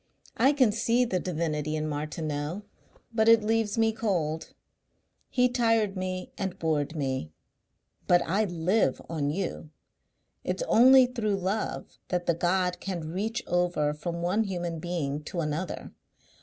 I can see the divinity in Martineau but it leaves me cold. He tired me and bored me.... But I live on you. It's only through love that the God can reach over from one human being to another.